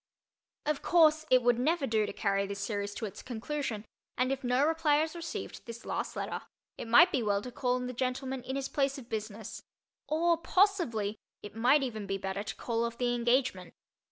Of course, it would never do to carry this series to its conclusion and if no reply is received to this last letter it might be well to call on the gentleman in his place of business—or, possibly, it might even be better to call off the engagement.